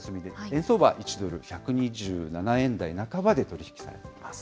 円相場、１ドル１２７円台半ばで取り引きされています。